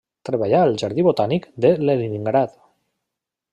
Treballà al jardí botànic de Leningrad.